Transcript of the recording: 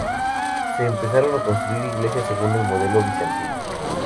Se empezaron a construir iglesias según el modelo bizantino.